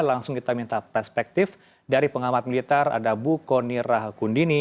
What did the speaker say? langsung kita minta perspektif dari pengamat militer ada bu kony rahakundini